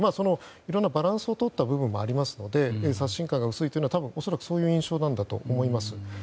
いろいろなバランスをとった部分もありますので刷新感が薄いというのはそういう印象なんだと思います。